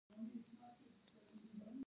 ایا زه وروسته پیسې ورکولی شم؟